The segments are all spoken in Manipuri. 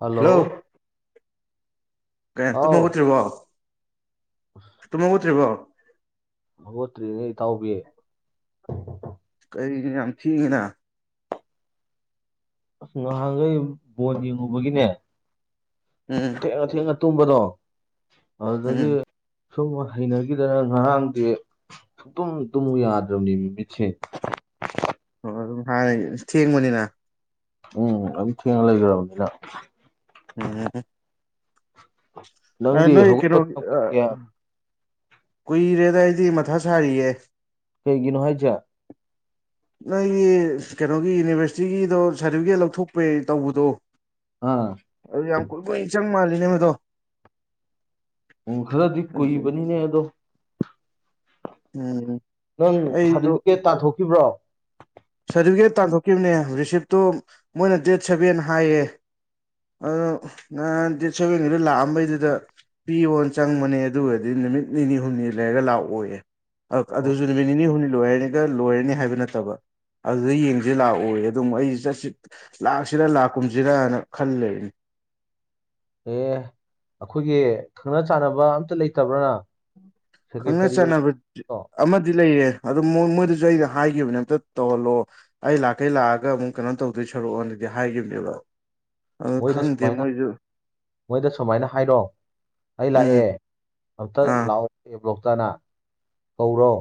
ꯍꯜꯂꯣ ꯀꯦꯟ ꯇꯨꯝ ꯍꯥꯎ ꯍꯧꯒꯠꯇ꯭ꯔꯤꯕꯣ ꯇꯨꯝ ꯍꯧꯒꯠꯇ꯭ꯔꯤꯕꯣ ꯍꯧꯒꯠꯇ꯭ꯔꯤꯅꯦ ꯏꯇꯥꯎꯕꯤ ꯀꯩꯔꯤꯒꯤ ꯌꯥꯝ ꯊꯦꯡꯉꯤꯅ ꯑꯁ ꯉꯍꯥꯟꯒꯩ ꯕꯣꯟ ꯌꯦꯡꯉꯨꯕꯒꯤꯅꯦ ꯎꯝ ꯀꯩꯅꯣ ꯊꯦꯡꯅ ꯇꯨꯝꯕꯗꯣ ꯑꯗꯨꯗꯒꯤ ꯎꯝ ꯁꯨꯝ ꯍꯩꯅꯒꯤꯗꯅ ꯉꯔꯥꯡꯗꯤ ꯁꯨꯛꯇꯨꯝ ꯇꯨꯝꯃꯨ ꯌꯥꯗ꯭ꯔꯝꯅꯦꯃꯤ ꯃꯤꯠꯁꯦ ꯑꯣ ꯑꯣ ꯑꯗꯨꯝ ꯍꯥꯏꯔꯒ ꯑꯁ ꯊꯦꯡꯕꯅꯤꯅ ꯎꯝ ꯑꯗꯨꯝ ꯊꯦꯡꯅ ꯂꯩꯒ꯭ꯔꯕꯅꯤꯅ ꯎꯝ ꯎꯝ ꯎꯝ ꯑꯥꯏ ꯅꯪꯗꯤ ꯅꯣꯏ ꯀꯩꯅꯣꯒꯤ ꯍꯧꯒꯠꯄ ꯀꯌꯥꯝ ꯑꯥ ꯀꯨꯏꯔꯒꯦ ꯀꯨꯏꯔꯦꯗ ꯑꯩꯗꯤ ꯃꯊꯥ ꯁꯥꯔꯤꯌꯦ ꯀꯩꯒꯤꯅꯣ ꯍꯥꯏꯖꯦ ꯅꯣꯏꯒꯤ ꯀꯩꯅꯣꯒꯤ ꯌꯨꯅꯤꯚꯔꯁꯤꯇꯤꯒꯤꯗꯣ ꯁꯥꯔꯗꯤꯕꯤꯒꯦꯠ ꯂꯧꯊꯣꯛꯄꯩ ꯇꯧꯕꯗꯣ ꯑꯥ ꯑꯗꯨ ꯌꯥꯝ ꯀꯨꯏ ꯀꯨꯏ ꯆꯪ ꯃꯥꯜꯂꯤꯅꯦ ꯃꯗꯣ ꯎꯨꯡ ꯈꯔꯗꯤ ꯀꯨꯏꯕꯅꯤꯅꯦ ꯑꯗꯣ ꯎꯝ ꯅꯪ ꯑꯩꯗꯣ ꯁꯥꯔꯗꯤꯕꯤꯒꯦꯠ ꯇꯥꯟꯊꯣꯛꯈꯤꯕ꯭ꯔꯣ ꯁꯥꯔꯗꯤꯕꯤꯒꯦꯠ ꯇꯥꯟꯊꯣꯛꯈꯤꯝꯅꯦ ꯔꯤꯁꯤꯞꯇꯨꯝ ꯃꯣꯏꯅ ꯗꯦꯠ ꯁꯚꯦꯟ ꯍꯥꯏꯌꯦ ꯑꯗꯣ ꯅꯍꯥꯟ ꯗꯦꯠ ꯁꯦꯚꯦꯟꯒꯤꯗ ꯂꯥꯛꯑꯝꯕꯩꯗꯨꯗ ꯄꯤꯌꯣꯅ ꯆꯪꯕꯅꯦ ꯑꯗꯨꯒꯗꯤ ꯅꯨꯃꯤꯠ ꯅꯤꯅꯤ ꯍꯨꯝꯅꯤ ꯂꯩꯔꯒ ꯂꯥꯛꯑꯣꯌꯦ ꯑꯛ ꯑꯣ ꯑꯗꯨꯖꯨ ꯅꯨꯃꯤꯠ ꯅꯤꯅꯤ ꯍꯨꯝꯅꯤ ꯂꯣꯏꯔꯒ ꯂꯣꯏꯔꯅꯤ ꯍꯥꯏꯕ ꯅꯠꯇꯕ ꯑꯗꯨꯗ ꯌꯦꯡꯖꯦ ꯂꯥꯛꯑꯣꯌꯦ ꯑꯗꯨꯃꯨꯛ ꯑꯩ ꯆꯠꯁꯤ ꯂꯥꯛꯁꯤꯔꯥ ꯂꯥꯛꯀꯨꯝꯖꯤꯔꯅ ꯈꯜꯂꯩꯔꯤꯅꯤ ꯑꯦ ꯑꯈꯣꯏꯒꯤ ꯈꯪꯅ ꯆꯥꯟꯅꯕ ꯑꯝꯇ ꯂꯩꯇꯕ꯭ꯔꯥ ꯅꯪ ꯈꯪꯅ ꯆꯅꯥꯕ ꯑꯃꯗꯤ ꯂꯩꯌꯦ ꯑꯗꯨ ꯃꯣ ꯃꯣꯏꯗꯖꯨ ꯑꯩꯅ ꯍꯥꯏꯒꯤꯕꯅꯦ ꯑꯝꯇ ꯇꯧꯍꯜꯂꯣ ꯑꯩ ꯂꯥꯛꯀꯩ ꯂꯥꯛꯑꯒ ꯑꯃꯨꯛ ꯀꯩꯅꯣ ꯇꯧꯗꯣꯏ ꯁꯔꯨꯛꯑꯅꯗꯤ ꯍꯥꯏꯒꯤꯝꯅꯦꯕ ꯑꯗꯣ ꯃꯣꯏꯗ ꯈꯪꯗꯦ ꯁꯨꯃꯥꯏꯅ ꯃꯣꯏꯖꯨ ꯃꯣꯏꯗ ꯁꯨꯃꯥꯏꯅ ꯍꯥꯏꯔꯣ ꯑꯩ ꯎꯝ ꯂꯥꯛꯑꯦ ꯑꯝꯇ ꯑꯥ ꯂꯥꯛꯑꯣ ꯑꯦ ꯕ꯭ꯂꯣꯛꯇꯅ ꯀꯧꯔꯣ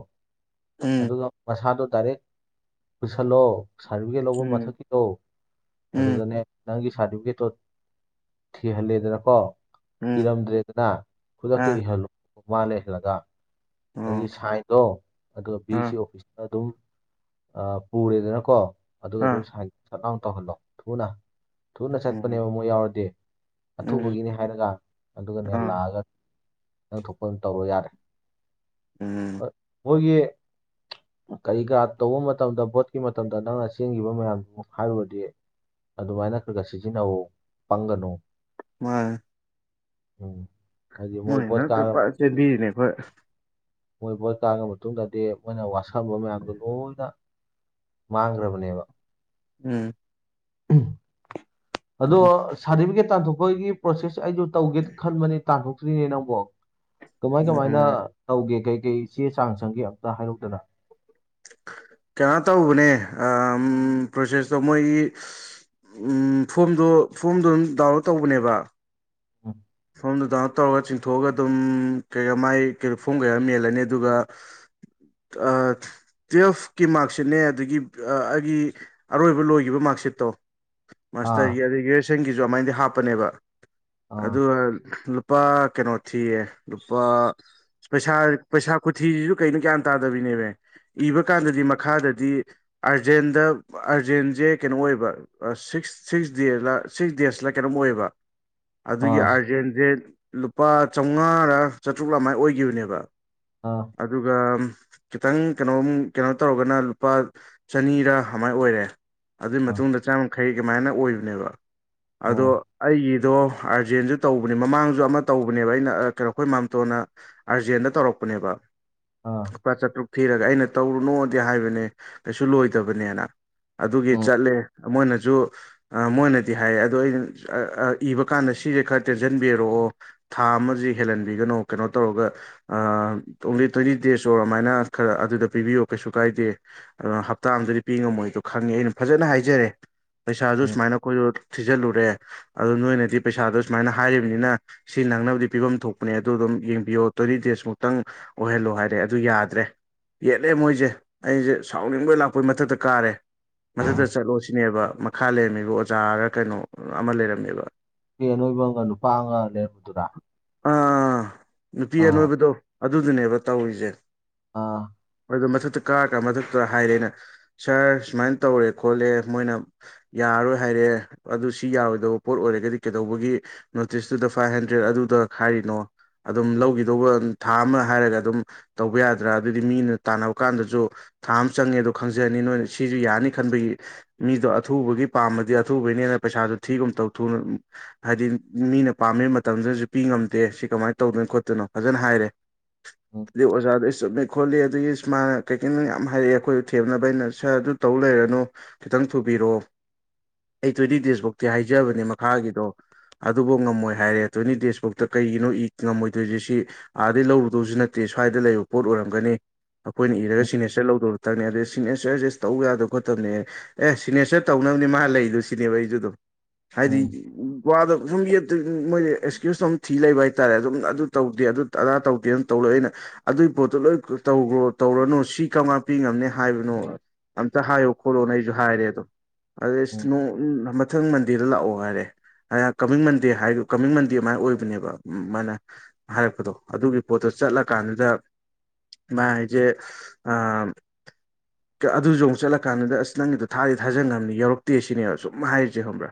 ꯎꯝ ꯑꯗꯨꯒ ꯃꯁꯥꯗꯣ ꯗꯥꯏꯔꯦꯛ ꯄꯨꯁꯜꯂꯣ ꯁꯥꯔꯇꯤꯐꯤꯀꯦꯠ ꯂꯧꯕ ꯎꯝ ꯃꯊꯛꯀꯤꯗꯣ ꯎꯝ ꯑꯗꯨꯗꯅꯦ ꯅꯪꯒꯤ ꯁꯔꯇꯤꯐꯤꯀꯦꯠꯇꯣ ꯊꯤꯍꯜꯂꯦꯗꯅ ꯀꯣ ꯎꯝ ꯏꯔꯝꯗ꯭ꯔꯦꯗꯅ ꯈꯨꯗꯛꯇ ꯑꯥ ꯏꯍꯜꯂꯨ ꯃꯥ ꯂꯩꯍꯜꯂꯒ ꯑꯗꯨꯒꯤ ꯑꯣ ꯁꯥꯏꯟꯗꯣ ꯑꯗꯨꯒ ꯕꯤ ꯑꯥ ꯁꯤ ꯑꯣꯐꯤꯁꯇ ꯑꯗꯨꯝ ꯑꯥ ꯄꯨꯔꯦꯗꯅꯀꯣ ꯑꯗꯨꯒ ꯑꯗꯨꯝ ꯑꯥ ꯁꯥꯏꯟ ꯊꯛꯂꯥꯎ ꯇꯧꯍꯜꯂꯣ ꯊꯨꯅ ꯊꯨꯅ ꯎꯝ ꯆꯠꯄꯅꯦꯕ ꯃꯣꯏ ꯌꯥꯎꯔꯗꯤ ꯎꯝ ꯑꯊꯨꯕꯒꯤꯅꯦ ꯍꯥꯏꯔꯒ ꯑꯗꯨꯒꯅꯦ ꯑꯥ ꯂꯥꯛꯑꯒ ꯅꯪ ꯊꯣꯛꯄ ꯑꯗꯨꯝ ꯇꯧꯒ꯭ꯔꯣ ꯌꯥꯔꯦ ꯎꯝ ꯑꯥ ꯃꯣꯏꯒꯤ ꯀꯔꯤ ꯀꯔꯥ ꯇꯧꯕ ꯃꯇꯝꯗ ꯚꯣꯠꯀꯤ ꯃꯇꯝꯗ ꯅꯪꯅ ꯆꯦꯟꯒꯤꯕ ꯃꯌꯥꯝꯗꯨ ꯍꯥꯏꯔꯨꯔꯗꯤ ꯑꯗꯨꯃꯥꯏꯅ ꯈꯔ ꯈꯔ ꯁꯤꯖꯤꯟꯅꯧꯋꯣ ꯄꯪꯒꯅꯨ ꯃꯟꯅꯦ ꯎꯝ ꯍꯥꯏꯗꯤ ꯃꯣꯏ ꯚꯣꯠ ꯃꯔꯛꯇ ꯀꯥꯔ ꯐꯥꯖꯅ ꯃꯇꯨꯡꯗ ꯆꯦꯕꯤꯔꯤꯅꯦ ꯑꯩꯈꯣꯏ ꯃꯣꯏ ꯕꯣꯠ ꯀꯒ꯭ꯔꯥꯕ ꯃꯇꯨꯡꯗꯗꯤ ꯃꯣꯏꯅ ꯋꯥꯁꯛꯑꯝꯕ ꯃꯌꯥꯝꯗꯣ ꯂꯣꯏꯅ ꯃꯥꯡꯈ꯭ꯔꯕꯅꯦꯕ ꯎꯝ ꯑꯗꯣ ꯁꯥꯔꯇꯤꯐꯤꯀꯦꯠ ꯇꯥꯟꯊꯣꯛꯄꯒꯤ ꯄ꯭ꯔꯣꯁꯦꯁꯇꯣ ꯑꯩꯖꯨ ꯇꯧꯒꯦꯅ ꯈꯟꯕꯅꯦ ꯇꯥꯟꯊꯣꯛꯇ꯭ꯔꯤꯅꯦ ꯅꯪꯕꯣ ꯀꯃꯥꯏ ꯀꯃꯥꯏꯅ ꯎꯝ ꯇꯧꯒꯦ ꯀꯩ ꯀꯩ ꯆꯦ ꯆꯥꯡ ꯆꯪꯒꯦ ꯑꯝꯇ ꯍꯥꯏꯔꯛꯎꯗꯅ ꯀꯩꯅꯣ ꯇꯧꯕꯅꯦ ꯑꯝ ꯄ꯭ꯔꯣꯁꯦꯁꯇꯣ ꯃꯣꯏꯒꯤ ꯎꯝ ꯐꯣꯝꯗꯣ ꯐꯣꯝꯗꯣ ꯑꯗꯨꯝ ꯗꯥꯎꯟꯂꯣꯗ ꯇꯧꯕꯅꯦꯕ ꯎꯝ ꯐꯣꯝꯗꯨ ꯗꯥꯎꯟꯂꯣꯗ ꯇꯧꯔꯒ ꯆꯤꯡꯊꯣꯛꯑꯒ ꯑꯗꯨꯝ ꯀꯩ ꯃꯥꯏ ꯐꯣꯝ ꯀꯩꯀꯥꯗꯣ ꯃꯦꯜꯂꯅꯤ ꯑꯗꯨꯒ ꯑꯥ ꯇꯨꯌꯦꯜꯐꯀꯤ ꯃꯥꯔꯛꯁꯤꯠꯅꯦ ꯑꯗꯒꯤ ꯑꯩꯒꯤ ꯑꯔꯣꯏꯕ ꯂꯣꯏꯒꯤꯕ ꯃꯥꯔꯛꯁꯤꯠꯇꯣ ꯑꯥ ꯃꯥꯁꯇꯔꯒꯤ ꯑꯗꯩ ꯒ꯭ꯔꯦꯖꯨꯋꯦꯁꯟꯒꯤꯖꯨ ꯑꯗꯨꯃꯥꯏꯗꯤ ꯍꯥꯞꯄꯅꯦꯕ ꯑꯥ ꯑꯗꯨꯒ ꯂꯨꯄꯥ ꯀꯩꯅꯣ ꯊꯤꯌꯦ ꯂꯨꯄꯥ ꯄꯩꯁꯥ ꯄꯩꯁꯥ ꯈꯨꯊꯤꯖꯤꯖꯨ ꯀꯩꯅꯣ ꯒ꯭ꯌꯥꯟ ꯇꯥꯗꯕꯤꯅꯦꯃꯦ ꯏꯕ ꯀꯥꯟꯗꯗꯤ ꯃꯈꯥꯗꯗꯤ ꯑꯥꯔꯖꯦꯟꯗ ꯑꯥ ꯑꯥꯔꯖꯦꯟꯖꯦ ꯀꯩꯅꯣ ꯑꯣꯏꯕ ꯑꯥ ꯁꯤꯛꯁ ꯁꯤꯛꯁ ꯗꯦꯜꯂ ꯁꯤꯛꯁ ꯗꯦꯖꯂ ꯀꯩꯅꯣꯝ ꯑꯣꯏꯌꯦꯕ ꯑꯗꯨꯒꯤ ꯑꯥ ꯑꯥꯔꯖꯦꯟꯖꯦ ꯂꯨꯄꯥ ꯆꯧꯉꯥꯔꯥ ꯆꯥꯇ꯭ꯔꯨꯛ ꯑꯃꯥꯏ ꯑꯣꯏꯒꯤꯕꯅꯦꯕ ꯑꯥ ꯑꯗꯨꯒ ꯈꯤꯇꯪ ꯀꯩꯅꯣꯝ ꯀꯩꯅꯣ ꯇꯧꯔꯒꯅ ꯂꯨꯄꯥ ꯆꯅꯤꯔ ꯑꯃꯥꯏ ꯑꯣꯏꯔꯦ ꯑꯗꯨꯏ ꯑꯥ ꯑꯥ ꯃꯇꯨꯡꯗ ꯆꯥꯝꯌꯥꯡꯈꯩ ꯀꯃꯥꯏꯅ ꯑꯣꯏꯕꯅꯦꯕ ꯑꯗꯣ ꯑꯥ ꯑꯩꯒꯤꯗꯣ ꯑꯥꯔꯖꯦꯟꯖꯨ ꯇꯧꯕꯅꯦ ꯃꯃꯥꯡꯁꯨ ꯑꯃ ꯇꯧꯕꯅꯦꯕ ꯑꯩꯅ ꯀꯩꯅꯣ ꯑꯩꯈꯣꯏ ꯃꯥꯝꯇꯣꯟꯅ ꯑꯥꯔꯖꯦꯟꯗ ꯇꯧꯔꯛꯄꯅꯦꯕ ꯑꯥ ꯂꯨꯄꯥ ꯆꯥꯇ꯭ꯔꯨꯛ ꯊꯤꯔꯒ ꯑꯩꯅ ꯇꯧꯔꯨꯅꯣꯗꯤ ꯍꯥꯏꯕꯅꯦ ꯀꯩꯁꯨ ꯂꯣꯏꯗꯕꯅꯦꯅ ꯑꯗꯨꯒꯤ ꯎꯝ ꯆꯠꯂꯦ ꯃꯣꯏꯅꯁꯨ ꯑ ꯃꯣꯏꯅꯗꯤ ꯍꯥꯏ ꯑꯗꯨ ꯑꯩꯅ ꯏꯕ ꯀꯥꯟꯗ ꯁꯤꯁꯦ ꯈꯔ ꯇꯦꯟꯁꯤꯟꯕꯤꯔꯛꯑꯣ ꯊꯥ ꯑꯃꯁꯤ ꯍꯦꯜꯍꯟꯕꯤꯒꯅꯣ ꯀꯩꯅꯣ ꯇꯧꯔꯒ ꯑ ꯑꯣꯡꯂꯤ ꯇ꯭ꯋꯦꯟꯇꯤ ꯗꯦꯖ ꯑꯣꯏꯔ ꯑꯗꯨꯃꯥꯏꯅ ꯈꯔ ꯑꯗꯨꯗ ꯄꯤꯕꯤꯌꯣ ꯀꯩꯁꯨ ꯀꯥꯏꯗꯦ ꯑ ꯍꯞꯇꯥ ꯑꯃꯗꯗꯤ ꯄꯤ ꯉꯝꯃꯣꯏꯗꯣ ꯈꯪꯉꯦ ꯑꯩꯅ ꯐꯖꯅ ꯍꯥꯏꯖꯔꯦ ꯄꯩꯁꯥꯁꯨ ꯎꯝ ꯁꯨꯃꯥꯏꯅ ꯑꯩꯈꯣꯏꯁꯨ ꯊꯤꯖꯤꯜꯂꯨꯔꯦ ꯑꯗꯨꯗꯣ ꯅꯣꯏꯅꯗꯤ ꯄꯩꯁꯥꯗꯣ ꯁꯨꯃꯥꯏꯅ ꯍꯥꯏꯔꯤꯕꯅꯤꯅ ꯁꯤ ꯅꯪꯅꯕꯗꯤ ꯄꯤꯐꯝ ꯊꯣꯛꯄꯅꯦ ꯑꯗꯨ ꯑꯗꯨꯝ ꯌꯦꯡꯕꯤꯌꯣ ꯇ꯭ꯋꯦꯟꯇꯤ ꯗꯦꯖꯃꯨꯛꯇꯪ ꯑꯣꯏꯍꯜꯂꯣ ꯍꯥꯏꯔꯦ ꯑꯗꯨ ꯌꯥꯗ꯭ꯔꯦ ꯌꯦꯠꯂꯦ ꯃꯣꯏꯁꯦ ꯑꯩꯁꯦ ꯁꯥꯎꯅꯤꯡꯕꯩ ꯂꯥꯛꯄꯩ ꯃꯊꯛꯇ ꯀꯥꯔꯦ ꯃꯊꯛꯗ ꯆꯠꯂꯣ ꯁꯤꯅꯦꯕ ꯃꯈꯥ ꯂꯩꯔꯝꯃꯤꯕ ꯑꯣꯖꯥꯔ ꯀꯩꯅꯣ ꯑꯃ ꯂꯩꯔꯝꯃꯦꯕ ꯄꯤ ꯑꯅꯣꯏꯕꯒ ꯅꯨꯄꯥ ꯑꯃꯒ ꯂꯩꯔꯝꯕꯗꯨꯔ ꯑꯥ ꯅꯨꯄꯤ ꯑꯅꯣꯏꯕꯗꯣ ꯑꯗꯨꯗꯨꯅꯦꯕ ꯇꯧꯔꯤꯖꯦ ꯑꯥ ꯑꯗꯨ ꯃꯊꯛꯇ ꯀꯥꯔꯀ ꯃꯊꯛꯇ ꯍꯥꯏꯔꯦꯅ ꯁꯥꯔ ꯁꯨꯃꯥꯏꯅ ꯇꯧꯔꯦ ꯈꯣꯠꯂꯦ ꯃꯣꯏꯅ ꯌꯥꯔꯔꯣꯏ ꯍꯥꯏꯔꯦ ꯑꯗꯨ ꯁꯤ ꯌꯥꯔꯣꯏꯗꯕ ꯄꯣꯠ ꯑꯣꯏꯔꯒꯗꯤ ꯀꯩꯗꯧꯕꯒꯤ ꯅꯣꯇꯤꯁꯇꯨꯗ ꯐꯥꯏꯚ ꯍꯟꯗ꯭ꯔꯦꯗ ꯑꯗꯨꯗ ꯍꯥꯏꯔꯤꯅꯣ ꯑꯗꯨꯝ ꯂꯧꯈꯤꯗꯧꯕ ꯊꯥ ꯑꯃ ꯍꯥꯏꯔꯒ ꯑꯗꯨꯝ ꯇꯧꯕ ꯌꯥꯗ꯭ꯔꯥ ꯑꯗꯨꯗꯤ ꯃꯤꯅ ꯇꯥꯟꯅꯕ ꯀꯥꯟꯗꯁꯨ ꯊꯥ ꯑꯃ ꯆꯪꯉꯦ ꯑꯗꯣ ꯈꯪꯖꯔꯅꯤ ꯅꯣꯏ ꯁꯤꯁꯨ ꯌꯥꯅꯤ ꯈꯟꯕꯒꯤ ꯃꯤꯗꯣ ꯑꯊꯨꯕꯒꯤ ꯄꯥꯝꯃꯗꯤ ꯑꯊꯨꯕꯒꯤꯅꯦꯅ ꯄꯩꯁꯥꯖꯨ ꯊꯤꯒꯨꯝ ꯇꯧ ꯊꯨꯅ ꯍꯥꯏꯗꯤ ꯃꯤꯅ ꯄꯥꯝꯃꯤꯕ ꯃꯇꯝꯗꯨꯗꯁꯨ ꯄꯤ ꯉꯝꯗꯦ ꯁꯤ ꯀꯃꯥꯏꯅ ꯇꯧꯗꯣꯏꯅꯣ ꯈꯣꯠꯇꯣꯏꯅꯣ ꯐꯖꯅ ꯍꯥꯏꯔꯦ ꯑꯗꯩ ꯑꯣꯖꯥꯗꯣ [unintelligible] ꯈꯣꯠꯂꯤ ꯑꯗꯒꯤ ꯁꯨ ꯃꯥꯅ ꯀꯩꯀꯩꯅꯣ ꯌꯥꯝ ꯍꯥꯏꯔꯛꯑꯦ ꯑꯩꯈꯣꯏ ꯊꯦꯝꯅꯕ ꯑꯩꯅ ꯁꯥꯔ ꯑꯗꯨ ꯊꯧ ꯂꯩꯔꯅꯨ ꯈꯤꯇꯪ ꯊꯨꯕꯤꯔꯛꯑꯣ ꯑꯩ ꯇ꯭ꯋꯦꯟꯇꯤ ꯗꯦꯖꯕꯨꯛꯇꯤ ꯍꯥꯏꯖꯕꯅꯦ ꯃꯈꯥꯒꯤ ꯑꯗꯨꯕꯨ ꯉꯝꯃꯣꯏ ꯍꯥꯏꯔꯦ ꯇ꯭ꯋꯦꯟꯇꯤ ꯗꯦꯖꯕꯨꯛꯇ ꯀꯩꯒꯤꯅꯣ ꯏ ꯉꯝꯃꯣꯏꯗꯣꯏꯁꯦ ꯁꯤ ꯑꯥꯗꯩ ꯂꯧꯔꯨꯗꯧꯁꯨ ꯅꯠꯇꯦ ꯁ꯭ꯋꯥꯏꯗ ꯂꯩꯕ ꯄꯣꯠ ꯑꯣꯏꯔꯝꯒꯅꯤ ꯑꯩꯈꯣꯏꯅ ꯏꯔꯒ ꯁꯤꯒꯅꯦꯆꯔ ꯂꯧꯗꯧꯈꯛꯇꯅꯤ ꯑꯗꯩ ꯁꯤꯒꯅꯦꯆꯔꯁꯦ ꯇꯧ ꯌꯥꯗꯕ ꯈꯣꯠꯇꯕꯅꯦ ꯑꯦ ꯁꯤꯒꯅꯦꯆꯔ ꯇꯧꯅꯕꯅꯦ ꯃꯥ ꯂꯩꯗꯨ ꯁꯤꯅꯦꯕ ꯑꯩꯁꯨꯗꯨꯝ ꯍꯥꯏꯗꯤ ꯋꯥꯗꯣ ꯁꯨꯝ [unintelligible] ꯃꯣꯏꯗꯤ ꯑꯦꯛꯁꯀ꯭ꯌꯨꯁꯇ ꯑꯗꯨꯝ ꯊꯤ ꯂꯩꯕ ꯍꯥꯏꯇꯥꯔꯦ ꯑꯗꯨꯝ ꯑꯗꯨ ꯇꯧꯗꯦ ꯑꯗꯨ ꯑꯗꯥ ꯇꯧꯗꯦꯅ ꯇꯧꯂꯩ ꯑꯩꯅ ꯑꯗꯨꯏ ꯄꯣꯠꯇꯨ ꯂꯣꯏ ꯇꯧꯈ꯭ꯔꯣ ꯇꯧꯔꯅꯨ ꯁꯤ ꯀꯔꯝꯀꯥꯟ ꯄꯤ ꯉꯝꯅꯤ ꯍꯥꯏꯕꯅꯣ ꯑꯝꯇ ꯍꯥꯏꯌꯣ ꯈꯣꯠꯂꯣꯅ ꯑꯩꯁꯨ ꯍꯥꯏꯔꯦ ꯑꯗꯣ ꯑꯗꯩꯗꯤ ꯑꯁ ꯅꯣ ꯃꯊꯪ ꯃꯟꯗꯦꯗ ꯂꯥꯛꯑꯣ ꯍꯥꯏꯔꯦ ꯑꯌꯥ ꯀꯃꯤꯡ ꯃꯟꯗꯦ ꯍꯥꯏꯗꯣ ꯀꯃꯤꯡ ꯃꯟꯗꯦ ꯑꯗꯨꯃꯥꯏꯅ ꯑꯣꯏꯕꯅꯦꯕ ꯃꯥꯅ ꯍꯥꯏꯔꯛꯄꯗꯣ ꯑꯗꯨꯒꯤ ꯄꯣꯠꯇꯨ ꯆꯠꯂ ꯀꯥꯟꯗꯨꯗ ꯃꯥ ꯍꯥꯏꯖꯦ ꯑꯥ ꯑꯗꯨꯁꯨ ꯑꯃꯨꯛ ꯆꯠꯂ ꯀꯥꯟꯗꯨꯗ ꯑꯁ ꯅꯪꯒꯤꯗꯣ ꯊꯥꯗꯤ ꯊꯥꯖꯟꯈꯕꯅꯤ ꯌꯧꯔꯛꯇꯦ ꯁꯤꯅꯦꯕ ꯁꯨꯝ ꯍꯥꯏꯔꯤꯁꯦ ꯈꯪꯕ꯭ꯔꯥ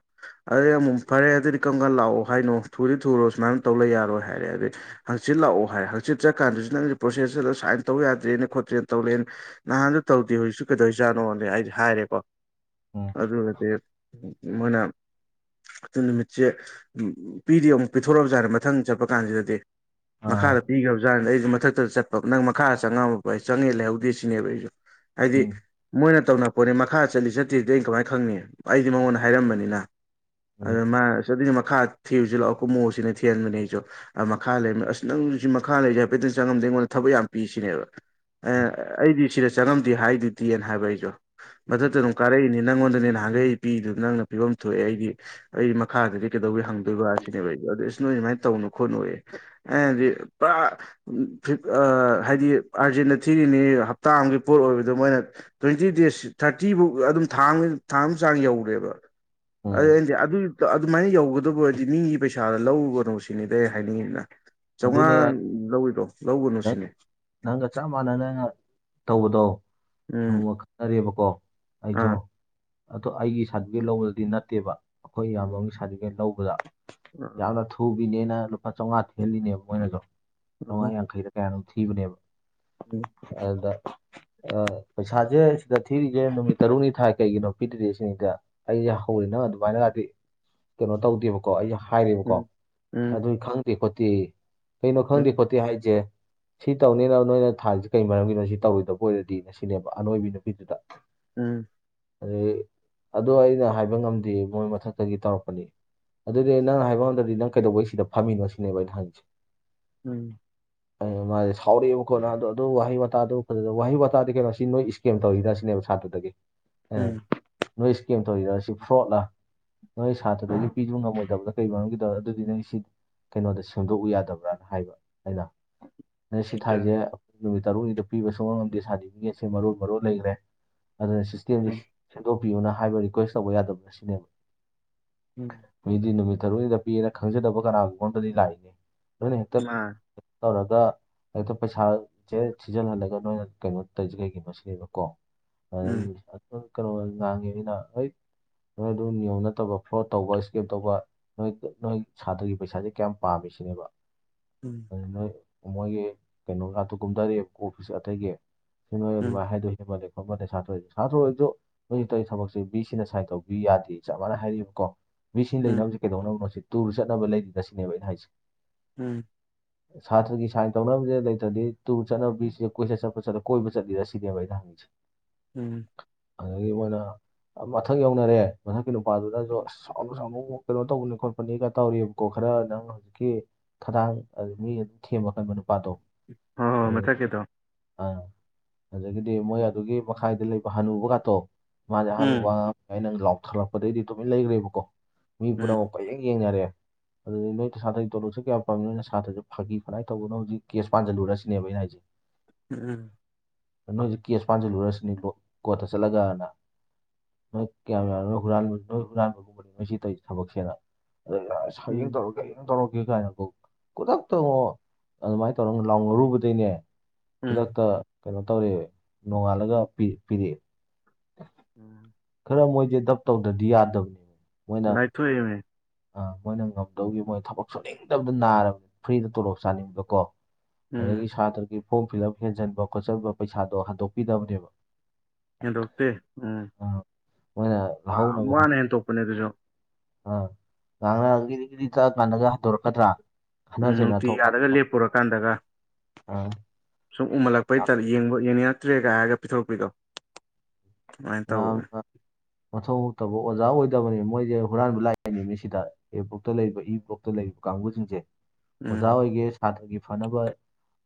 ꯑꯗꯨꯗꯩ ꯑꯃꯨꯛ ꯐꯔꯦ ꯑꯗꯨꯗꯤ ꯀꯔꯝꯀꯥꯟ ꯂꯥꯛꯑꯣ ꯍꯥꯏꯅꯣ ꯊꯨꯗꯤ ꯊꯨꯔꯣ ꯁꯨꯃꯥꯏꯅ ꯇꯧ ꯂꯩ ꯌꯥꯔꯣꯏ ꯍꯥꯏꯔꯦ ꯑꯗꯨꯗꯤ ꯍꯪꯆꯤꯠ ꯂꯥꯛꯑꯣ ꯍꯥꯏꯔ ꯍꯪꯆꯤꯠ ꯆꯠꯀꯥꯟꯗꯁꯨ ꯅꯪꯒꯤ ꯄ꯭ꯔꯣꯁꯦꯁꯁꯤ ꯁꯥꯏꯟ ꯇꯧꯕ ꯌꯥꯗ꯭ꯔꯦꯅꯦ ꯈꯣꯠꯇ꯭ꯔꯦꯅꯦ ꯇꯧꯔꯛꯑꯦ ꯅꯍꯥꯟꯁꯨ ꯇꯧꯗꯦ ꯍꯧꯖꯤꯛꯁꯨ ꯀꯩꯗꯧꯖꯥꯠꯅꯣꯅꯦ ꯑꯩꯗꯤ ꯍꯥꯏꯔꯦꯀꯣ ꯑꯗꯨꯒꯗꯤ ꯃꯣꯢꯅ ꯑꯗꯨ ꯅꯨꯃꯤꯠꯁꯦ ꯄꯤꯗꯤ ꯑꯃꯨꯛ ꯄꯤꯊꯣꯔꯛꯑꯕ ꯖꯥꯠꯅꯦ ꯃꯊꯪ ꯆꯠꯄ ꯀꯥꯟꯁꯤꯗꯗꯤ ꯃꯈꯥꯗ ꯄꯤꯒ꯭ꯔꯕꯖꯥꯥꯟꯅꯦ ꯑꯩꯁꯨ ꯃꯊꯛꯇ ꯆꯠꯄ ꯅꯪ ꯃꯈꯥꯗ ꯆꯪꯉꯝꯃꯕ ꯑꯩ ꯆꯪꯉꯦ ꯂꯩꯍꯧꯗꯦ ꯁꯤꯅꯦꯕ ꯑꯩꯁꯨ ꯍꯥꯏꯗꯤ ꯃꯣꯏꯅ ꯇꯧꯅꯔꯛꯄꯅꯤ ꯃꯈꯥ ꯆꯠꯂꯤ ꯆꯠꯇ꯭ꯔꯤꯗꯤ ꯑꯩꯅ ꯀꯃꯥꯏꯟ ꯈꯪꯅꯤ ꯑꯩꯗꯤ ꯃꯉꯣꯟꯗ ꯍꯥꯏꯔꯝꯕꯅꯤꯅ ꯑꯗꯨꯗꯤ ꯃꯥ ꯑꯗꯨꯗꯤ ꯃꯈꯥ ꯊꯤꯔꯨꯁꯤ ꯂꯥꯛꯑꯣ ꯀꯨꯝꯃꯣ ꯁꯤꯅꯦ ꯊꯤꯍꯟꯕꯅꯦ ꯑꯩꯁꯨ ꯑꯥ ꯃꯈꯥ ꯂꯩꯔꯝꯕ ꯑꯁ ꯅꯪꯖꯤ ꯃꯈꯥ ꯂꯩꯖꯦ ꯍꯥꯏꯐꯦꯠꯇꯪ ꯆꯪꯉꯝꯗꯦ ꯑꯩꯉꯣꯟꯗ ꯊꯕꯛ ꯌꯥꯝ ꯄꯤ ꯁꯤꯅꯦꯕ ꯑꯦ ꯑꯩꯗꯤ ꯁꯤꯗ ꯆꯪꯉꯝꯗꯦ ꯍꯥꯏꯗꯨꯗꯤꯅ ꯍꯥꯏꯕ ꯑꯩꯖꯨ ꯃꯊꯛꯇ ꯑꯗꯨꯝ ꯀꯥꯔꯛꯏꯅꯦ ꯅꯪꯉꯣꯟꯗꯅꯦ ꯅꯍꯥꯟꯒꯩ ꯄꯤꯗꯨ ꯅꯪꯅ ꯄꯤꯕꯝ ꯊꯣꯛꯑꯦ ꯑꯩꯗꯤ ꯑꯩ ꯃꯈꯥꯗꯗꯤ ꯀꯩꯗꯧꯕꯩ ꯍꯪꯗꯨꯏꯕ ꯁꯤꯅꯦꯕ ꯑꯩꯖꯨ ꯑꯗꯩ ꯏꯁ ꯅꯣꯏ ꯑꯗꯨꯃꯥꯏ ꯇꯧꯅꯨ ꯈꯣꯠꯅꯨꯌꯦ ꯑꯩ ꯍꯥꯏꯗꯤ ꯄꯨꯔꯥ ꯎꯝ ꯐꯤꯚ ꯑꯥ ꯍꯥꯏꯗꯤ ꯑꯥꯔꯖꯦꯟꯗ ꯊꯤꯔꯤꯅꯤ ꯍꯞꯇꯥ ꯑꯃꯒꯤ ꯄꯣꯠ ꯑꯣꯏꯕꯗꯣ ꯃꯣꯏꯅ ꯇ꯭ꯋꯦꯟꯇꯤ ꯗꯦꯖ ꯊꯥꯔꯇꯤ ꯕꯨꯛ ꯑꯗꯨꯝ ꯊꯥ ꯑꯃꯒꯤ ꯊꯥ ꯑꯃ ꯆꯥꯡ ꯌꯧꯒ꯭ꯔꯦꯕ ꯑꯗꯩꯗꯤ ꯑꯗꯨꯏ ꯇꯣ ꯑꯗꯨꯃꯥꯏꯅ ꯌꯧꯒꯗꯕ ꯑꯣꯏꯔꯗꯤ ꯃꯤꯒꯤ ꯄꯩꯁꯥꯗꯣ ꯂꯧꯒꯅꯣ ꯁꯤꯅꯤꯗ ꯑꯩ ꯍꯥꯏꯅꯤꯡꯉꯤꯖꯤꯅ ꯆꯧꯉꯥ ꯑꯗꯨꯅꯦ ꯑꯩ ꯂꯧꯔꯤꯗꯣ ꯂꯧꯒꯅꯨ ꯅꯪ ꯁꯤꯅꯤ ꯅꯪꯒ ꯆꯞ ꯃꯥꯟꯅꯅꯉ ꯇꯧꯕꯗꯣ ꯎꯝ ꯅꯣꯡꯃ ꯇꯥꯔꯦꯕꯀꯣ ꯑꯩꯖꯨ ꯑꯥ ꯑꯗꯣ ꯑꯩꯒꯤ ꯁꯥꯔꯇꯤꯐꯤꯒꯦꯠ ꯂꯧꯕꯗꯨꯗꯤ ꯅꯠꯇꯦꯕ ꯑꯈꯣꯏ ꯏꯌꯥꯝꯕ ꯎꯝ ꯑꯃꯒꯤ ꯁꯥꯔꯇꯤꯐꯤꯒꯦꯠ ꯂꯧꯕꯗ ꯑꯥ ꯌꯥꯝꯅ ꯊꯨꯕꯤꯅꯦꯅ ꯂꯨꯄꯥ ꯆꯧꯉꯥ ꯊꯤꯍꯜꯂꯤꯅꯦꯕ ꯃꯣꯏꯅꯖꯨ ꯆꯧꯉꯥ ꯌꯥꯡꯈꯩꯔ ꯀꯌꯥꯅꯣꯝ ꯊꯤꯕꯅꯦꯕ ꯎꯝ ꯑꯗꯨꯗ ꯑꯥ ꯄꯩꯁꯥꯖꯦ ꯁꯤꯗ ꯊꯤꯔꯤꯖꯦ ꯅꯨꯃꯤꯠ ꯇꯔꯨꯛꯅꯤ ꯊꯥꯏ ꯀꯩꯒꯤꯅꯣ ꯄꯤꯗ꯭ꯔꯤ ꯁꯤꯅꯤꯗ ꯑꯩꯖꯦ ꯍꯧꯔꯦ ꯅꯪ ꯑꯗꯨꯃꯥꯏꯅꯒꯥꯗꯤ ꯀꯩꯅꯣ ꯇꯧꯗꯦꯕꯀꯣ ꯑꯩꯖꯦ ꯍꯥꯏꯔꯦꯕꯀꯣ ꯎꯝ ꯎꯝ ꯑꯗꯨꯏ ꯈꯪꯗꯦ ꯈꯣꯠꯇꯦ ꯀꯩꯅꯣ ꯎꯝ ꯈꯪꯗꯦ ꯈꯣꯠꯇꯦ ꯍꯥꯏꯖꯦ ꯁꯤ ꯇꯧꯅꯦꯅ ꯅꯣꯏꯅ ꯊꯥꯏꯖꯦ ꯀꯩ ꯃꯔꯝꯒꯤꯅꯣ ꯁꯤ ꯇꯧꯔꯣꯏꯗꯕ ꯑꯣꯏꯔꯗꯤ ꯁꯤꯅꯦꯕ ꯑꯅꯣꯏꯕꯤ ꯅꯨꯄꯤꯗꯨꯗ ꯎꯝ ꯑꯗꯒꯤ ꯑꯗꯣ ꯑꯩꯅ ꯍꯥꯏꯕ ꯉꯝꯗꯦ ꯃꯣꯏ ꯃꯊꯛꯇꯒꯤ ꯇꯧꯔꯛꯄꯅꯦ ꯑꯗꯨꯗꯤ ꯅꯪꯅ ꯍꯥꯏꯕ ꯉꯝꯗ꯭ꯔꯗꯤ ꯅꯪ ꯀꯩꯗꯧꯕꯩ ꯁꯤꯗ ꯐꯝꯃꯤꯅꯣ ꯁꯤꯅꯦꯕ ꯑꯩꯩꯅ ꯍꯪꯉꯤꯁꯦ ꯎꯝ ꯃꯥꯖꯦ ꯁꯥꯎꯔꯛꯑꯦꯕ ꯀꯣ ꯅ ꯑꯗꯨ ꯑꯗꯨ ꯋꯥꯍꯩ ꯋꯥꯇꯥꯗꯨ ꯐꯖ ꯋꯥꯍꯩ ꯋꯥꯇꯥꯗꯤ ꯀꯩꯅꯣ ꯁꯤ ꯅꯣꯏ ꯏꯁꯀꯦꯝ ꯇꯧꯔꯤꯔ ꯁꯤꯅꯦꯕ ꯁꯥꯇ꯭ꯔꯗꯒꯤ ꯑꯦ ꯎꯝ ꯅꯣꯏ ꯏꯁꯀꯦꯝ ꯇꯧꯔꯤꯔ ꯁꯤ ꯐ꯭ꯔꯣꯠꯂꯥ ꯅꯣꯏ ꯁꯥꯇ꯭ꯔꯗꯒꯤ ꯄꯤꯕ ꯉꯝꯃꯣꯏꯗꯕꯗ ꯀꯩ ꯃꯔꯝꯒꯤꯗ ꯑꯗꯨꯗꯤ ꯅꯪ ꯁꯤ ꯀꯩꯅꯣꯗ ꯁꯦꯝꯗꯣꯛꯎ ꯌꯥꯗꯕ꯭ꯔꯅ ꯍꯥꯏꯕ ꯑꯩꯅ ꯑꯩꯅ ꯁꯤ ꯑꯗꯨ ꯊꯥꯏꯖꯦ ꯅꯨꯃꯤꯠ ꯇꯔꯨꯛꯅꯤꯗ ꯄꯤꯕ ꯁꯨꯉꯝ ꯉꯝꯗꯦ ꯁꯥꯔꯇꯤꯐꯤꯒꯦꯠꯁꯦ ꯃꯔꯣꯟ ꯃꯔꯣꯟ ꯂꯩꯒ꯭ꯔꯦ ꯑꯗꯨꯅ ꯁꯤꯁꯇꯦꯝꯖꯦ ꯎꯝ ꯁꯦꯝꯗꯣꯛꯄꯤꯌꯨꯅ ꯍꯥꯏꯕ ꯔꯤꯀ꯭ꯋꯦꯁ ꯇꯧꯕ ꯌꯥꯗꯕ꯭ꯔꯥ ꯁꯤꯅꯦꯕ ꯃꯤꯗꯤ ꯅꯨꯃꯤꯠ ꯇꯔꯨꯛꯅꯤꯗ ꯄꯤꯌꯦꯅ ꯈꯪꯖꯗꯕ ꯀꯅꯥꯒꯨꯝꯕ ꯑꯃꯗꯗꯤ ꯂꯥꯛꯏꯅꯦ ꯅꯣꯏꯅ ꯍꯦꯛꯇ ꯃꯥ ꯇꯧꯔꯒ ꯍꯦꯛꯇ ꯄꯩꯁꯥꯖꯦ ꯊꯤꯖꯜꯍꯜꯂꯒ ꯅꯣꯏꯅ ꯀꯩꯅꯣ ꯇꯧꯏꯖꯦ ꯀꯩꯒꯤꯅꯣ ꯁꯤꯅꯤꯗ ꯀꯣ ꯑꯗꯒꯤ ꯎꯝ ꯑꯗꯨꯝ ꯀꯩꯅꯣ ꯅꯍꯥꯟꯒꯤ ꯃꯤꯅ ꯑꯩꯠ ꯅꯣꯏ ꯑꯗꯨꯝ ꯅꯤꯌꯣꯝ ꯅꯠꯇꯕ ꯐ꯭ꯔꯣꯗ ꯇꯧꯕ ꯏꯁꯀꯦꯝ ꯇꯧꯕ ꯅꯣꯏ ꯅꯣꯏ ꯁꯥꯇ꯭ꯔꯒꯤ ꯄꯩꯁꯥꯥꯖꯦ ꯀꯌꯥꯝ ꯄꯥꯝꯒꯦ ꯁꯤꯅꯦꯕ ꯎꯝ ꯅꯣꯏ ꯃꯣꯏꯒꯤ ꯀꯩꯅꯣ ꯒꯥꯇꯣ ꯀꯨꯝꯗꯔꯛꯑꯦꯕ ꯑꯣꯐꯤꯁ ꯑꯇꯩꯒꯤ ꯍꯦ ꯅꯣꯏ ꯑꯗꯨꯃꯥꯏ ꯎꯝ ꯍꯥꯏꯗꯣ ꯍꯦꯟꯃꯜꯂꯦ ꯈꯣꯠꯃꯜꯂꯦ ꯁꯥꯇ꯭ꯔ ꯑꯣꯏꯔꯖꯨ ꯁꯥꯇ꯭ꯔ ꯑꯣꯏꯔꯖꯨ ꯅꯣꯏ ꯇꯧꯔꯤ ꯊꯕꯛꯁꯦ ꯚꯤ ꯁꯤ ꯅ ꯁꯥꯏꯟ ꯇꯧꯕꯤꯌꯨ ꯌꯥꯗꯦ ꯆꯞ ꯃꯥꯟꯅꯅ ꯍꯥꯏꯔꯤꯕꯀꯣ ꯚꯤ ꯁꯤ ꯂꯩꯅꯕꯖꯦ ꯀꯩꯗꯧꯅꯕꯅꯣ ꯁꯤ ꯇꯨꯔ ꯆꯠꯅꯕ ꯂꯩꯔꯤꯔ ꯁꯤꯅꯦꯕ ꯑꯩꯅ ꯍꯥꯏꯖꯦ ꯎꯝ ꯁꯥꯇ꯭ꯔꯒꯤ ꯁꯥꯏꯟ ꯇꯧꯅꯕꯖꯦ ꯂꯩꯇ꯭ꯔꯗꯤ ꯇꯨꯔ ꯆꯠꯅꯕ ꯚꯤꯁꯤ ꯀꯣꯏꯆꯠ ꯆꯠꯄ ꯆꯠ ꯀꯣꯏꯕ ꯆꯠꯂꯤꯔ ꯁꯤꯅꯦꯕ ꯑꯩꯩꯅ ꯍꯪꯉꯤ ꯎꯝ ꯑꯗꯒꯤ ꯃꯣꯏꯅ ꯃꯊꯛ ꯌꯧꯅꯔꯦ ꯃꯊꯛꯀꯤ ꯅꯨꯄꯥꯗꯨꯅꯖꯨ ꯑꯁ ꯁꯥꯎꯅꯨ ꯁꯥꯎꯅꯨ ꯀꯩꯅꯣ ꯇꯧꯕꯅꯤ ꯈꯣꯠꯄꯅꯤꯒ ꯇꯧꯔꯛꯑꯦꯞꯀꯣ ꯈꯔ ꯅꯪ ꯍꯧꯖꯤꯛꯀꯤ ꯈꯗꯥꯡ ꯃꯤ ꯊꯦꯝꯕ ꯀꯟꯕ ꯅꯨꯄꯥꯗꯣ ꯑꫭ ꯑꫭ ꯃꯊꯛꯀꯤꯗꯣ ꯑ‌ ꯑꯗꯒꯤꯗꯤ ꯃꯣꯏ ꯑꯗꯨꯒꯤ ꯃꯈꯥꯏꯗ ꯂꯩꯕ ꯍꯅꯨꯕ ꯒꯥꯇꯣ ꯃꯥꯖꯦ ꯑꯍꯥꯟꯕ ꯎꯝ ꯋꯥ ꯉꯥꯡꯉꯝꯃꯤ ꯑꯩꯅ ꯂꯥꯎꯊꯠꯂꯛꯄꯗꯩꯗꯤ ꯇꯨꯃꯤꯟ ꯂꯩꯒ꯭ꯔꯦꯕꯀꯣ ꯃꯤ ꯎꯝ ꯄꯨꯝꯅꯃꯛ ꯀꯣꯏꯌꯦꯡ ꯌꯦꯡꯅꯔꯦ ꯑꯗꯨꯗꯩ ꯅꯣꯏ ꯁꯥ꯭ꯇꯔꯒꯤ ꯇꯣꯂꯣꯞꯁꯦ ꯀꯌꯥ ꯄꯥꯝꯃꯤ ꯅꯣꯏꯅ ꯁꯥꯇ꯭ꯔꯖꯦ ꯐꯥꯒꯤ ꯐꯅꯥꯏ ꯇꯧꯕꯅꫭ ꯍꯧꯖꯤꯛ ꯀꯦꯁ ꯄꯥꯟꯖꯤꯜꯂꯨꯔ ꯁꯤꯅꯦꯕ ꯑꯩꯅ ꯍꯥꯏꯖꯦ ꯎꯝ ꯅꯣꯏ‌ ꯍꯨꯖꯤꯛ ꯀꯦꯁ ꯄꯥꯟꯖꯜꯂꯨꯔ ꯁꯤꯅꯤ [unintelligible] ꯀꯣꯔꯠꯇ ꯆꯠꯂꯒꯅ ꯅꯣꯏ ꯀꯌꯥꯝ [unintelligible] ꯅꫭꯏ ꯍꯨꯔꯥꯟꯕꯒꯨꯝꯕꯅꯤ ꯅꫭꯏ ꯁꯤ ꯇꯧꯔꯤ ꯊꯕꯛꯁꯦꯅ ꯑꯗꯨꯏ [unintelligible] [unintelligible] ꯎꯝ ꯇꯧꯔꯒꯦ [unintelligible] ꯇꯧꯔꯒꯦ ꯒꯥꯏꯅꯀꫭ ꯈꯨꯗꯛꯇꯉꯣ ꯑꯗꯨꯝꯃꯥꯏꯅ ꯇꯧꯔꯒ ꯂꯥꯎꯅꯔꯨꯕꯗꯩꯅꯦ ꯈꯨꯗꯛꯇ ꯀꯩꯅꯣ ꯇꯧꯔꯦ ꯅꯣꯡꯉꯥꯜꯂꯒ ꯄꯤ ꯄꯤꯔꯦꯑꯦ ꯎꯝ ꯈꯔ ꯃꯣꯏꯗꯤ ꯗꯞ ꯇꯧꯗ꯭ꯔꯗꯤ ꯌꯥꯗꯝꯅꯦ ꯂꯥꯏꯊꫭꯛꯑꯦꯃꯤ ꯑ ꯃꯣꯏꯅ ꯉꯝꯗꯧꯒꯤ ꯃꯣꯏ ꯊꯕꯛ ꯁꯨꯅꯤꯡꯗꯕꯗ ꯅꯥꯔꯕꯅꯤ ꯐ꯭ꯔꯤꯗ ꯇꯣꯂꯣꯞ ꯆꯥꯅꯤꯡꯕ ꯀꯣ ꯑꯗꯒꯤ ꯎꯝ ꯁꯥꯇ꯭ꯔꯒꯤ ꯐꯣꯔꯝ ꯐꯤꯂꯞ ꯍꯦꯟꯖꯟꯕ ꯈꯣꯠꯆꯟꯕ ꯄꯩꯁꯥꯗꯣ ꯍꯟꯗꯣꯛꯄꯤꯗꯕꯅꯦꯕ ꯍꯦꯟꯗꯣꯛꯇꯦ ꯎꯝ ꯑ ꯃꯣꯏꯅ ꯌꯥꯝ ꯂꯧꯍꯧꯅꯕ ꯍꯣꯠ ꯋꯥꯅ ꯍꯦꯟꯗꯣꯛꯄꯅꯦ ꯑꯗꯨꯁꯨ ꯑ ꯉꯥꯡꯅꯔ ꯒꯤꯔꯤ ꯒꯤꯔꯤ ꯇꯛꯑꯀꯥꯟꯗꯒ ꯍꯟꯇꯣꯔꯛꯀꯗ꯭ꯔ ꯎꯝ ꯅꯨꯡꯇꯤꯒꯤ ꯑꯥꯗꯒ ꯂꯦꯞꯄꯨꯔꯀꯥꯟꯗꯒ ꯑ ꯁꯨꯝ ꯎꯃꯜꯂꯛꯄꯩ [unintelligible] ꯌꯦꯡ ꯌꯦꯡꯅꯤꯡꯉꯛꯇ꯭ꯔꯦꯒ ꯍꯥꯏꯔꯒ ꯄꯤꯊꯣꯔꯛꯄꯤꯗꯣ ꯑꯗꯨꯃꯥꯏꯅ ꯇꯧꯕꯅꯦ ꯌꯥꯝꯅ ꯃꯊꯣꯡ ꯍꯨꯛꯇꯕ ꯑꯣꯖꯥ ꯑꯣꯏꯗꯕꯅꯤ ꯃꯣꯏꯖꯦ ꯍꯨꯔꯥꯟꯕ ꯂꯥꯛꯏꯅꯦꯃꯤ ꯁꯤꯗ ꯑꯦ ꯕ꯭ꯂꯣꯛꯇ ꯂꯩꯔꯤꯕ ꯏ ꯕ꯭ꯂꯣꯛꯇ ꯂꯩꯔꯤꯕ ꯀꯥꯡꯕꯨꯖꯤꯡꯖꯦ ꯑꯣꯖꯥ ꯎꯝ ꯑꯣꯏꯒꯦ ꯁꯥꯇ꯭ꯔꯒꯤ ꯐꯅꯕ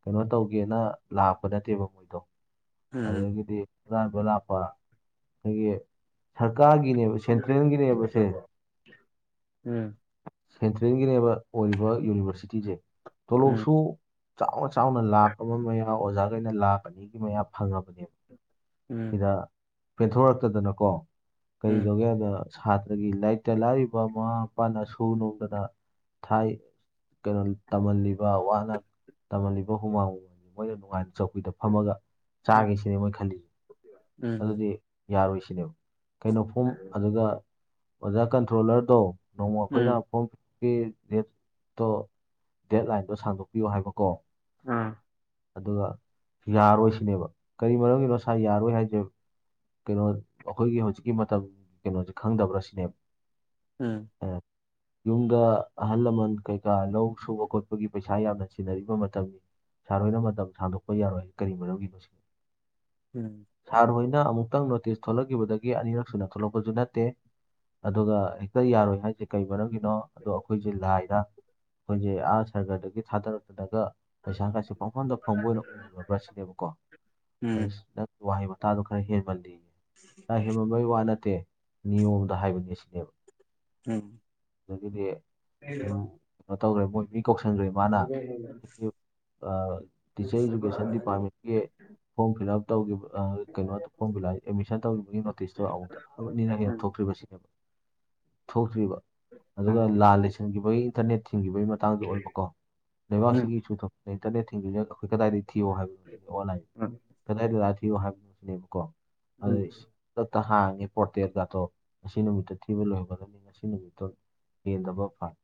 ꯀꯩꯅꯣ ꯇꯧꯒꯦꯅ ꯂꯥꯛꯄ ꯅꯠꯇꯦꯕ ꯃꯣꯏꯗꯣ ꯎꯝ ꯑꯗꯒꯤꯗꯤ ꯍꯨꯔꯥꯟꯕ ꯂꯥꯛꯄ [unintelligible] ꯁꯔꯀꯥꯔꯒꯤꯅꯦꯕ ꯎꯝ ꯎꯝ ꯁꯦꯟꯇ꯭ꯔꯦꯜꯒꯤꯅꯦꯕꯁꯦ ꯁꯦꯟꯇ꯭ꯔꯦꯟꯒꯤꯅꯦꯕ ꯑꯣꯏꯔꯤꯕ ꯌꯨꯅꯤꯚꯔꯁꯤꯇꯤꯖꯦ ꯇꯣꯂꯣꯞꯁꯨ ꯆꯥꯎꯅ ꯆꯥꯎꯅ ꯂꯥꯛ ꯑꯃ ꯃꯌꯥ ꯑꯣꯖꯥꯒꯩꯅ ꯂꯥꯛ ꯑꯅꯤꯒꯤ ꯃꯌꯥ ꯐꯪꯉꯕꯅꯦꯕ ꯎꯝ ꯁꯤꯗ ꯄꯦꯟꯊꯣꯔꯛꯇꯗꯅꯀꯣ ꯎꯝ ꯀꯩꯗꯧꯒꯦ ꯍꯥꯏꯗ ꯁꯥꯇ꯭ꯔꯒꯤ ꯂꯩꯇ ꯂꯥꯏꯔꯤꯕ ꯃꯃꯥ ꯃꯄꯥꯅ ꯁꯨ ꯅꯣꯝꯗꯅ ꯊꯥꯏ ꯀꯩꯅꯣ ꯇꯝꯃꯜꯂꯤꯕ ꯋꯥꯅ ꯇꯝꯃꯜꯂꯤꯕ ꯍꯨꯃꯥꯡ [unintelligible] ꯃꯣꯏꯅ ꯅꯨꯡꯉꯥꯏꯅ ꯆꯧꯀꯤꯗ ꯐꯝꯃꯒ ꯎꯝ ꯆꯥꯒꯦ ꯁꯤꯅꯦ ꯃꯣꯏ ꯈꯜꯂꯤꯁꯦ ꯎꯝ ꯑꯗꯨꯗꯤ ꯌꯥꯔꯣꯏ ꯁꯤꯅꯦꯕ ꯀꯩꯅꯣ ꯐꫭꯝ ꯑꯗꯨꯒ ꯑꯣꯖꯥ ꯀꯟꯇ꯭ꯔꯣꯜꯂꯔꯗꯣ ꯅꯣꯡꯃ ꯎꯝ ꯑꯈꯣꯏꯒ ꯐꯣꯝ [unintelligible] ꯗꯦꯠꯇꯣ ꯗꯦꯠ ꯂꯥꯏꯟꯗꯣ ꯁꯥꯡꯗꯣꯛꯄꯤꯌꯣ ꯍꯥꯏꯕꯀꯣ ꯑꯥ ꯑꯗꯨꯒ ꯌꯥꯔꯣꯏ ꯁꯤꯅꯦꯕ ꯀꯔꯤ ꯃꯔꯝꯒꯤꯅꯣ ꯁꯥꯥꯔ ꯌꯥꯔꯣꯏ ꯍꯥꯏꯖꯦ ꯀꯩꯅꯣ ꯑꯈꯣꯏꯒꯤ ꯍꯧꯖꯤꯛꯀꯤ ꯃꯇꯝ ꯀꯩꯅꯣꯖꯦ ꯈꯪꯗꯕ꯭ꯔ ꯁꯤꯅꯦꯕ ꯎꯝ ꯑꯦ, ꯌꯨꯝꯗ ꯑꯍꯜ ꯂꯃꯟ ꯀꯩꯀꯥ ꯂꯧ ꯁꯨꯕ ꯈꯣꯠꯄꯒꯤ ꯄꯩꯁꯥ ꯌꯥꯝꯅ ꯆꯤꯟꯅꯔꯤꯕ ꯃꯇꯝꯅꯤ ꯁꯥꯔ ꯍꯣꯏꯅ ꯃꯇꯝ ꯁꯥꯡꯗꯣꯛꯄ ꯌꯥꯔꯣꯏ ꯀꯔꯤ ꯃꯔꯝꯒꯤꯅꯣ ꯁꯤꯅꯤ ꯎꯝ ꯁꯥꯔ ꯍꯣꯏꯅ ꯑꯃꯨꯛꯇꯪ ꯅꯣꯇꯤꯁ ꯊꯣꯛꯂꯛꯈꯤꯕꯗꯒꯤ ꯑꯅꯤꯔꯛ ꯁꯨꯅ ꯊꯣꯛꯂꯛꯄꯖꯨ ꯅꯠꯇꯦ ꯑꯗꯨꯒ ꯍꯦꯛꯇ ꯌꯥꯔꯣꯏ ꯍꯥꯏꯖꯦ ꯀꯩ ꯃꯔꯝꯒꯤꯅꯣ ꯑꯗꯣ ꯑꯩꯈꯣꯏꯖꯦ ꯂꯥꯏꯔ ꯈꯣꯏꯖꯦ ꯑꯥ ꯁꯔꯒꯔꯗꯒꯤ ꯊꯥꯗꯔꯛꯄꯗꯒ ꯄꯩꯁꯥ ꯈꯁꯦ ꯄꯥꯡꯐꯝꯗ ꯐꯪꯕ ꯑꯣꯏꯅ ꯎꯔꯕ꯭ꯔꯥ ꯁꯤꯅꯦꯕꯀꯣ ꯎꯝ ꯎꯝ ꯅꯪ ꯋꯥꯍꯩ ꯋꯥꯇꯥꯗꯣ ꯈꯔ ꯍꯦꯟꯃꯜ ꯀꯥ ꯍꯦꯃꯟꯕꯩ ꯋꯥ ꯅꯠꯇꯦ ꯅꯤꯌꯣꯝꯗ ꯍꯥꯏꯕꯅꯦ ꯁꯤꯅꯦꯕ ꯎꯝ ꯑꯗꯨꯗꯒꯤꯗꯤ ꯑꯗꯨꯝ ꯀꯩꯅꯣ ꯇꯧꯈ꯭ꯔꯦ ꯃꯣꯏ ꯃꯤ ꯀꯧꯁꯟꯈ꯭ꯔꯦ ꯃꯥꯅ [unintelligible] ꯑ ꯇꯤꯆꯔ ꯏꯗꯨꯨꯀꯦꯁꯟ ꯗꯤꯄꯥꯔꯠꯃꯦꯟꯀꯤ ꯐꯣꯝ ꯐꯤꯜꯂꯞ ꯇꯧꯈꯤꯕ ꯑ ꯀꯩꯅꯣꯗꯣ ꯐꯣꯝ ꯐꯤꯜꯂꯞ ꯃꯤꯁꯟ ꯇꯧꯒꯤꯕꯒꯤ ꯅꯣꯇꯤꯁꯇꯣ ꯑꯃꯨꯛꯇ ꯅꯤꯅ ꯍꯦꯟꯅ ꯊꯣꯛꯇ꯭ꯔꯤꯕꯁꯤꯅꯦꯕ ꯊꯣꯛꯇ꯭ꯔꯤꯕ ꯑꯗꯨꯒ ꯂꯥꯟ ꯂꯩꯁꯤꯟꯈꯤꯕꯩ ꯏꯟꯇꯔꯅꯦꯠ ꯊꯤꯡꯈꯤꯕꯒꯤ ꯃꯇꯥꯡꯗꯨ ꯑꯣꯏꯕꯀꯣ ꯂꯩꯕꯥꯛꯁꯤꯒꯤ ꯏꯁꯨ ꯗ ꯏꯟꯇꯔꯅꯦꯠ ꯊꯤꯡꯕꯦꯟ ꯑꯈꯣꯏ ꯀꯗꯥꯏꯗꯒꯤ ꯊꯤꯌꯣ ꯍꯥꯏꯕꯅꯣ ꯁꯤꯅꯦ ꯑꯣꯟꯂꯥꯏꯟ ꯎꯝ ꯀꯗꯥꯏꯗ ꯂꯥꯛꯑꯒ ꯊꯤꯌꯣ ꯍꯥꯏꯕꯅꯦꯕꯀꯣ ꯎꯝ [unintelligible] ꯈꯨꯇꯛꯇ ꯍꯥꯡꯉꯦ ꯄꯣꯔꯇꯦꯠꯒꯗꯣ ꯉꯁꯤ ꯅꯨꯃꯤꯠꯇ ꯊꯤꯕ ꯂꯣꯏꯒꯗꯅꯤ ꯉꯁꯤ ꯅꯨꯃꯤꯠꯇꯣ ꯍꯦꯟꯗꯕ ꯐ